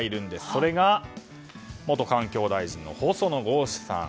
それが、元環境大臣の細野豪志さん。